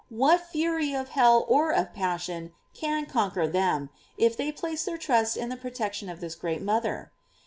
What fury of hell or of passion can. conquer them, if they place their trust in the protection of this great mother?